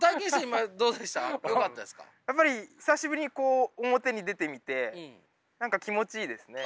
やっぱり久しぶりにこう表に出てみて何か気持ちいいですね。